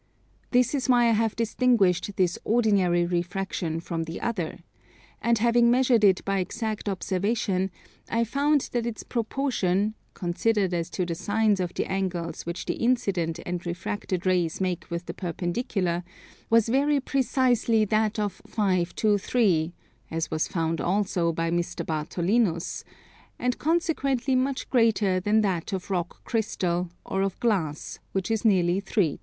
This is why I have distinguished this ordinary refraction from the other; and having measured it by exact observation, I found that its proportion, considered as to the Sines of the angles which the incident and refracted rays make with the perpendicular, was very precisely that of 5 to 3, as was found also by Mr. Bartholinus, and consequently much greater than that of Rock Crystal, or of glass, which is nearly 3 to 2.